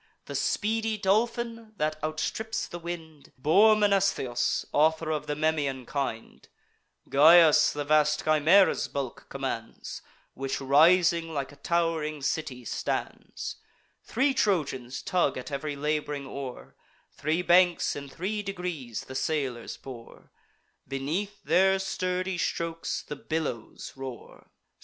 The speedy Dolphin, that outstrips the wind, Bore Mnestheus, author of the Memmian kind: Gyas the vast Chimaera's bulk commands, Which rising, like a tow'ring city stands; Three Trojans tug at ev'ry lab'ring oar; Three banks in three degrees the sailors bore; Beneath their sturdy strokes the billows roar.